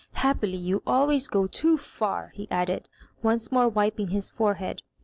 Happily you always go too far," he added, once more wiping his forehead.